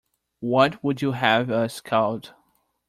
What would you have us called?